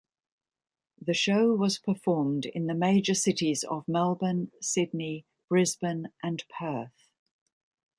The show was performed in the major cities of Melbourne, Sydney, Brisbane, and Perth.